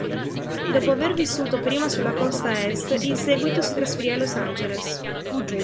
Dopo aver vissuto prima sulla costa Est, in seguito si trasferì a Los Angeles.